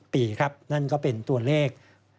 ๑๖๓๑ปีนั่นก็เป็นตัวเลข